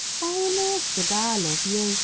Why on earth should I love you ?